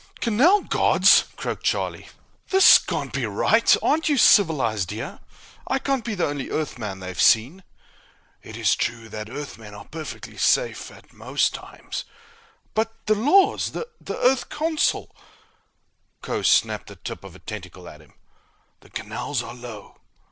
"Canal gods!" croaked Charlie. "This can't be right! Aren't you civilized here? I can't be the only Earthman they've seen!" "It is true that Earthmen are perfectly safe at most times." "But the laws! The earth consul " Kho snapped the tip of a tentacle at him. "The canals are low.